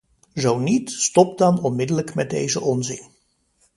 Zo niet, stop dan onmiddellijk met deze onzin.